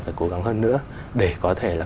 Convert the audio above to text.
phải cố gắng hơn nữa để có thể là